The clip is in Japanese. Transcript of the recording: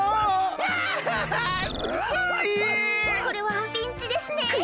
これはピンチですね。